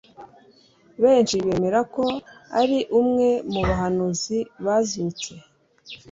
Benshi bemera ko ari umwe mu bahanuzi bazutse.